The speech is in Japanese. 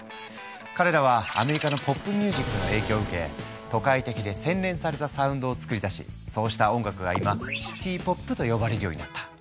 彼らはアメリカのポップミュージックの影響を受け都会的で洗練されたサウンドを作り出しそうした音楽が今シティ・ポップと呼ばれるようになった。